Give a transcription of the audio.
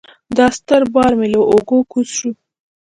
دا ستر بار مې له اوږو کوز شو.